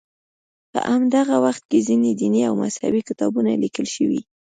په همدغه وخت کې ځینې دیني او مذهبي کتابونه لیکل شوي.